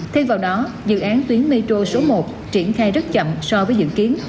thay vào đó dự án tuyến metro số một triển khai rất chậm so với dự kiến